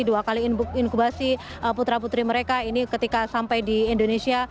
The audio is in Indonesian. dua kali inkubasi putra putri mereka ini ketika sampai di indonesia